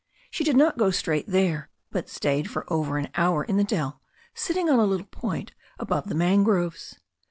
She did not go straight there, but stayed for over I an hour in the dell, sitting on a little point above the mangroves.